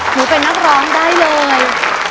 หนูเป็นนักร้องได้เลย